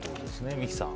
三木さん